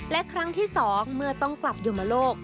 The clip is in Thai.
และครั้งที่๒เมื่อต้องกลับโยมโลก